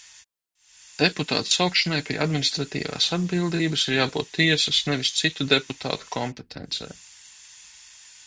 Deputāta saukšanai pie administratīvās atbildības ir jābūt tiesas, nevis citu deputātu kompetencē.